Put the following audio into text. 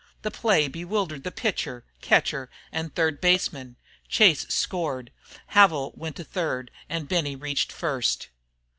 The play bewildered the pitcher, catcher, and third baseman. Chase scored, Havil went to third, and Benny reached first.